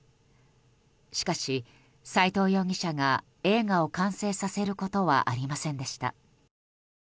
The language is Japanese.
しかし、斎藤容疑者が映画を完成させることはありませんでした。